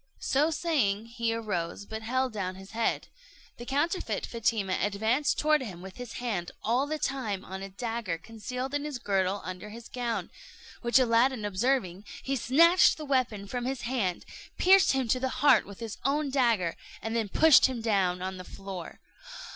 So saying, he arose, but held down his head. The counterfeit Fatima advanced toward him, with his hand all the time on a dagger concealed in his girdle under his gown; which Aladdin, observing, he snatched the weapon from his hand, pierced him to the heart with his own dagger, and then pushed him down on the floor.